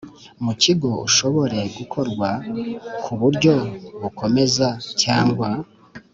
Mu kigo ushobore gukorwa ku buryo bukomeza cyangwa